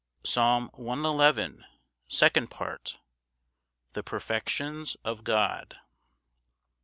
Psalm 111:2. Second Part. The perfections of God.